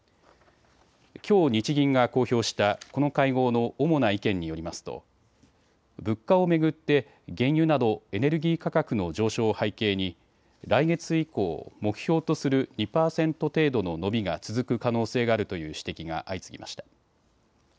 きょう日銀が公表したこの会合の主な意見によりますと物価を巡って原油などエネルギー価格の上昇を背景に来月以降、目標とする２％程度の伸びが続く可能性があるという指摘が相次ぎました。